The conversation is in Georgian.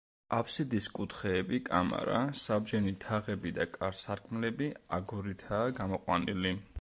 აბსიდის კუთხეები, კამარა, საბჯენი თაღები და კარ-სარკმლები აგურითაა გამოყვანილი.